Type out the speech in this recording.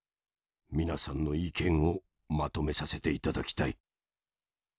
皆さんの意見をまとめさせて頂きたい。